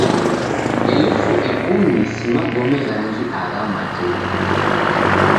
Elfu ikumi si magome ghangi agha matuku!